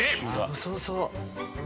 そうそう。